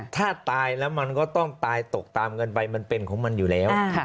ถ้าตายแล้วมันก็ต้องตายตกตามกันไปมันเป็นของมันอยู่แล้ว